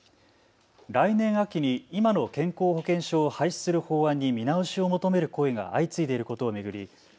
来年秋に今の健康保険証を廃止する法案に見直しを求める声が相次いでいることを巡り